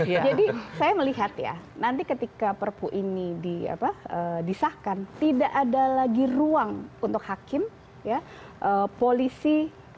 jadi saya melihat ya nanti ketika perpu ini disahkan tidak ada lagi ruang untuk hakim polisi